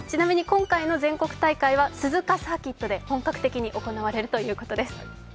今回の全国大会は鈴鹿サーキットで本格的に行われるということです。